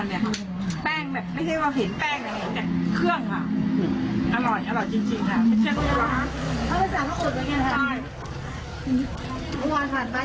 แน่นจังมากเครื่องเต็มหมดเลยค่ะ